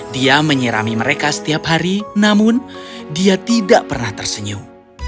dia menyirami mereka setiap hari namun dia tidak pernah tersenyum